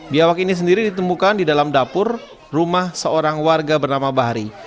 biawak ini sendiri ditemukan di dalam dapur rumah seorang warga bernama bahari